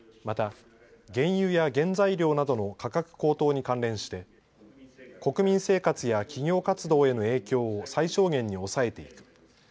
また原油や原材料などの価格高騰に関連して国民生活や企業活動への影響を最小限に抑えていく。